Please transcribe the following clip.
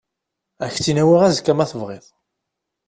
Ad ak-tt-in-awiɣ azekka ma tebɣiḍ.